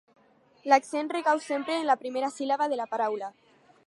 L'accent recau sempre en la primera síl·laba de la paraula.